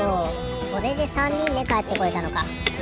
それで３にんでかえってこれたのか。